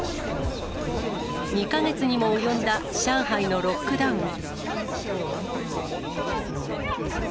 ２か月にも及んだ上海のロックダウン。